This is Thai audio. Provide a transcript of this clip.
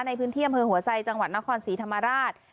ในพื้นที่อำเภอหัวไซจังหวัดนครศรีธรรมราช